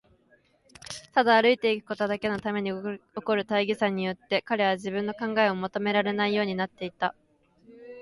ただ歩いていくことだけのために起こる大儀さによって、彼は自分の考えをまとめられないようになっていた。